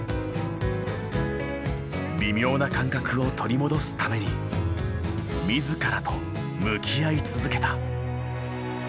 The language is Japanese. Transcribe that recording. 微妙な感覚を取り戻すために自らと向き合い続けた。